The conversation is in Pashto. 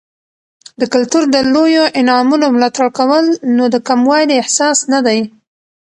د کلتور د لویو انعامونو ملاتړ کول، نو د کموالي احساس نه دی.